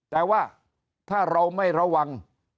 แต่ว่าถ้าเราไม่ระวัง